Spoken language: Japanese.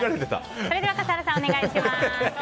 それでは笠原さん、お願いします。